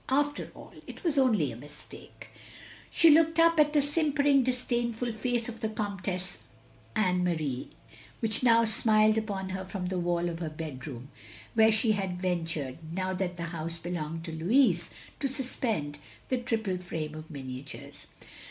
"After all, it was only a mistake." She looked up at the simpering disdainftd face of the Comtesse Anne Marie, which now smiled upon her from the wall of her bedroom, where she had ventured, now that the house belonged to Lotus, to suspend the triple frame of cMniatures.